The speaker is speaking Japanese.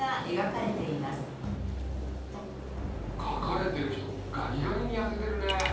かかれてる人ガリガリにやせてるね。